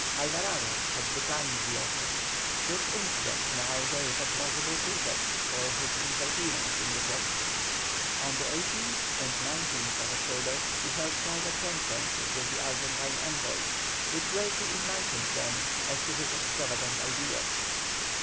Alvarado had declined the offer. This incident now gave a plausible pretext for his interference in the question. On the 18th and 19th October he held private conferences with the Argentine envoys, which greatly enlightened them as to his extravagant ideas.